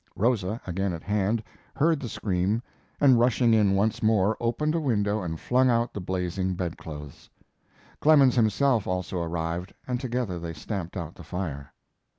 Rosa, again at hand, heard the scream, and rushing in once more opened a window and flung out the blazing bedclothes. Clemens himself also arrived, and together they stamped out the fire.